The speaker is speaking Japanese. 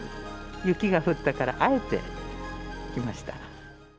雪が降ったから、あえて来ました。